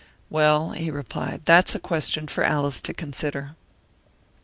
"Well," he replied, "that's a question for Alice to consider."